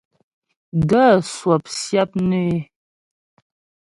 Gaə̂ swɔp syap nê é.